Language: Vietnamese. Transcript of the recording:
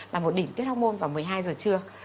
là một đỉnh tiết hormôn vào một mươi hai h trưa